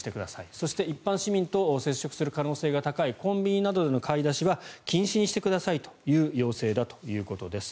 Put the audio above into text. そして、一般市民と接触する可能性が高いコンビニなどでの買い出しは禁止にしてくださいという要請だということです。